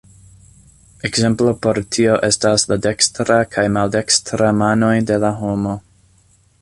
Ekzemplo por tio estas la dekstra kaj maldekstra manoj de la homo.